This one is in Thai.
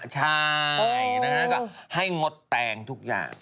ใช่ให้งดแตงทุกอย่าง